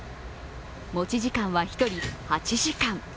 持ち時間は１人８時間。